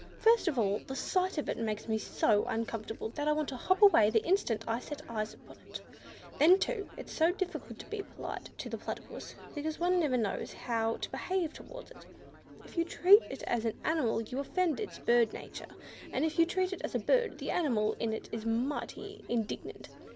First of all, the sight of it makes me so uncomfortable, that I want to hop away the instant I set eyes upon it. Then, too, it's so difficult to be polite to the Platypus, because one never knows how to behave towards it. If you treat it as an animal, you offend its bird nature, and if you treat it as a bird, the animal in it is mighty indignant.